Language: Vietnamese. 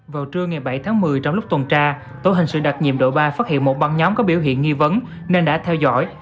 vào trưa ngày bảy tháng một mươi trong lúc tuần tra tổ hình sự đặc nhiệm đội ba phát hiện một băng nhóm có biểu hiện nghi vấn nên đã theo dõi